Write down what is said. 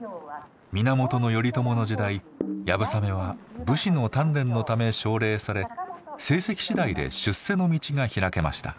源頼朝の時代流鏑馬は武士の鍛錬のため奨励され成績次第で出世の道が開けました。